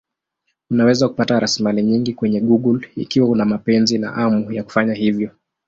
Unaweza kupata rasilimali nyingi kwenye Google ikiwa una mapenzi na hamu ya kufanya hivyo.